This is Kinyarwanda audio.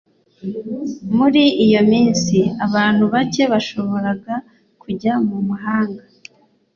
Muri iyo minsi, abantu bake bashoboraga kujya mu mahanga.